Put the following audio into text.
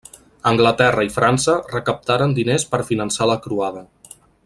Anglaterra i França recaptaren diners per finançar la croada.